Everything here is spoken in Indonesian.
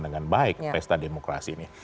dengan baik pesta demokrasi ini